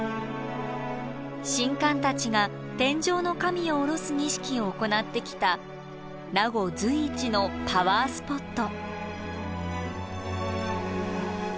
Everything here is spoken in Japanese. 神官たちが天上の神を降ろす儀式を行ってきた名護随一のパワースポット。